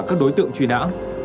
các đối tượng truy nã